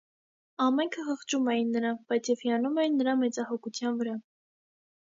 Ամենքը խղճում էին նրան, բայց և հիանում էին նրա մեծահոգության վրա: